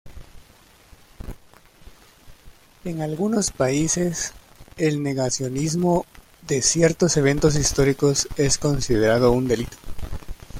En algunos países, el negacionismo de ciertos eventos históricos es considerado un delito.